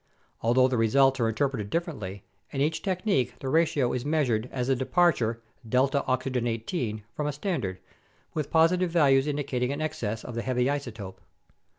Although the results are interpreted differently, in each technique the ratio is measured as the departure 8 18 from a standard, with positive values indicating an excess of the heavy isotope.